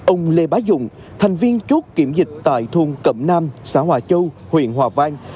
ông lê bá dụng thành viên chốt kiểm dịch tại thôn cẩm nam xã hòa châu huyện hòa vang